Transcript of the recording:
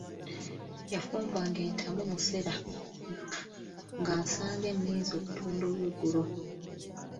Yafumbanga entamu musera nga nsanga enninze okutunda olweggulo.